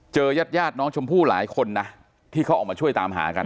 ยาดน้องชมพู่หลายคนนะที่เขาออกมาช่วยตามหากัน